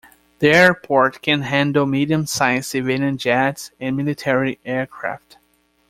The airport can handle medium-sized civilian jets and military aircraft.